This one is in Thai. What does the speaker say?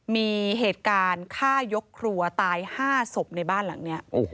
มีเหตุการณ์ฆ่ายกครัวตาย๕ศพในบ้านหลังนี้